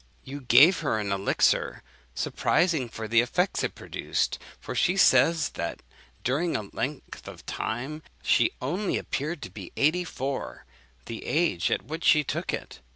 "'You gave her an elixir, surprising for the effects it produced; for she says, that during a length of time, she only appeared to be eighty four; the age at which she took it.